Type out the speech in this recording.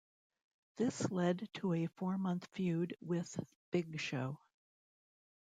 This led to a four-month feud with Big Show.